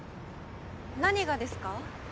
何がですか？